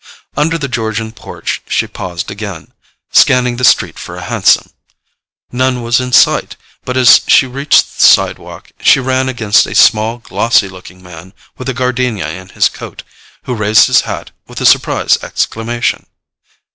Under the Georgian porch she paused again, scanning the street for a hansom. None was in sight, but as she reached the sidewalk she ran against a small glossy looking man with a gardenia in his coat, who raised his hat with a surprised exclamation.